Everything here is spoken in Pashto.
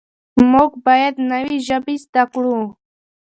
موږ باید نوې ژبې زده کړو.